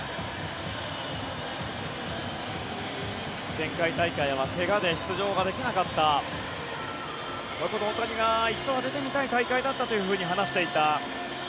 前回大会では怪我で出場ができなかったこの大谷が一度は出てみたい大会だったと話していた。